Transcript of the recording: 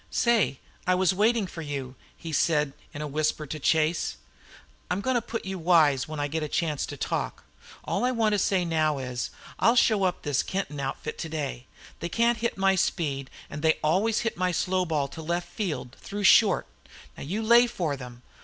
"Say, I was waiting for you," he said in a whisper to Chase. "I'm going to put you wise when I get a chance to talk. All I want to say now is, I'll show up this Kenton outfit today. They can't hit my speed, and they always hit my slow ball to left field, through short. Now you lay for them.